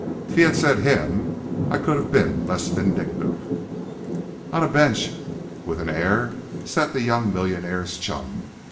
If he had said "him" I could have been less vindictive. On a bench, with an air, sat the young millionaire's chum.